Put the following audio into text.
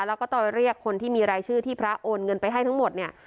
แล้วก็ต่อยเรียกคนที่มีรายชื่อที่พระโอนเงินไปให้ทั้งหมดเนี่ย